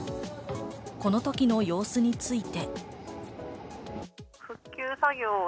このときの様子について。